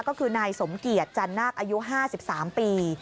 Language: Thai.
ก็คือนายสมเกียจจันนาคอายุ๕๓ปี